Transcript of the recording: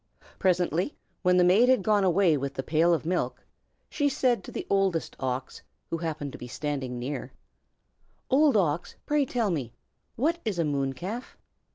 Presently, when the maid had gone away with the pail of milk, she said to the Oldest Ox, who happened to be standing near, "Old Ox, pray tell me, what is a moon calf?"